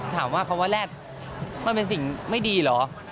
ถามว่าคำว่าแรดมันเป็นสิ่งไม่ดีเหรอ